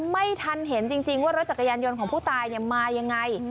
ไม่ทันเห็นจริงว่ารถจักรยานยนต์ของผู้ตายมายังไง